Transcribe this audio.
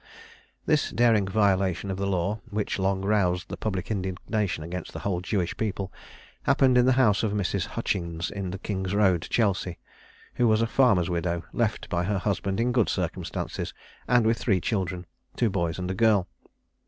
This daring violation of the law, which long roused the public indignation against the whole Jewish people, happened in the house of Mrs. Hutchings, in the King's road, Chelsea, who was a farmer's widow, left by her husband in good circumstances, and with three children, two boys and a girl.